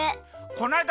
こないだ